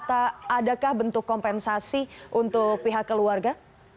adakah bentuk kompensasi untuk pihak keluarga